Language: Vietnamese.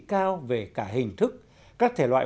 cao về cả hình thức các thể loại